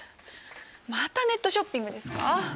またネットショッピングですか？